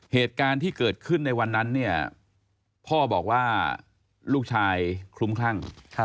เหตุการณ์ที่เกิดขึ้นในวันนั้นเนี่ยพ่อบอกว่าลูกชายคลุ้มคลั่ง